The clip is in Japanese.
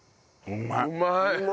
うまい！